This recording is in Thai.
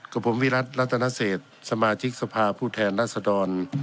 กับผมวิรัติรัตนเศษสมาชิกสภาผู้แทนรัศดร